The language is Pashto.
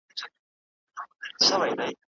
ایا د پاني پت جګړه په شپه کې شوې وه؟